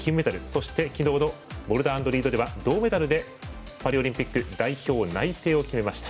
そして昨日のボルダー＆リードでは銅メダルでパリオリンピック代表内定を決めました。